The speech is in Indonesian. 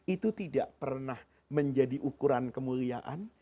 itu tidak pernah menjadi ukuran kemuliaan